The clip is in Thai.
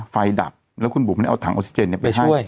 ไฟดับแล้วคุณบุ๋มน่าจะเอาถังอสิเจนเนี้ยไปช่วย